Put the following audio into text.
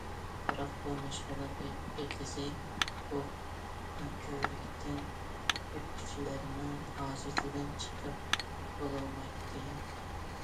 بىراق بۇ مەشغۇلات ئېتىزى بۇ كۆۋرۈكتىن ئۆتكۈچىلەرنىڭ ھاجىتىدىن چىقىپ بولالمايتتى.